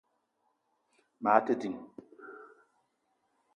Maa te ding